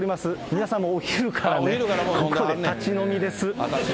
皆さんもお昼からね、ここで立ち飲みです。